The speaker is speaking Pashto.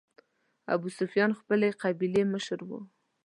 ابوسفیان خپلې قبیلې مشر و.